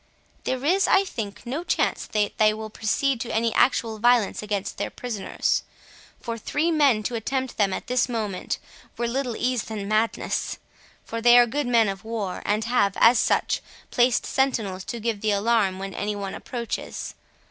There is, I think, no chance that they will proceed to any actual violence against their prisoners. For three men to attempt them at this moment, were little else than madness; for they are good men of war, and have, as such, placed sentinels to give the alarm when any one approaches.